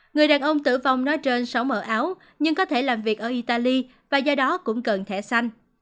người đàn ông tử vong nói trên sáu mẫu áo nhưng có thể làm việc ở italy và do đó cũng cần thẻ xanh